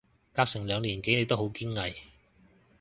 隔成兩年幾你都好堅毅